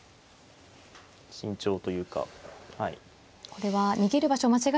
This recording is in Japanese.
慎重というかはい。